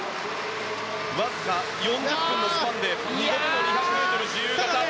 わずか４０分のスパンで２００ｍ自由形と。